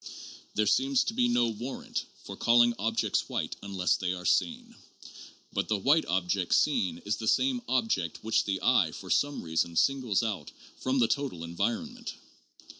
There seems to be no warrant for 172 JOURNAL OF PHILOSOPHY calling objects white unless they are seen ; but the white object seen is the same object which the eye for some reason singles out from the total environment.